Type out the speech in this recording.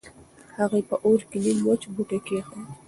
هغې په اور کې نيم وچ بوټی کېښود.